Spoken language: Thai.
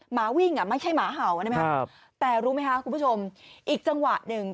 หมาวิ่งไม่ใช่หมาเห่าใช่ไหมฮะแต่รู้ไหมครับคุณผู้ชมอีกจังหวะหนึ่ง